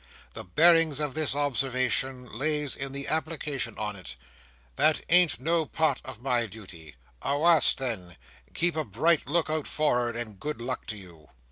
The bearings of this observation lays in the application on it. That ain't no part of my duty. Awast then, keep a bright look out for'ard, and good luck to you!"